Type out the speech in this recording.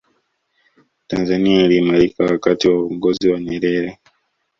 tanzania iliimarika wakati wa uongozi wa nyerere